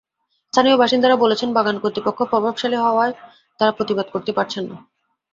স্থানীয় বাসিন্দারা বলেছেন, বাগান কর্তৃপক্ষ প্রভাবশালী হওয়ায় তাঁরা প্রতিবাদ করতে পারছেন না।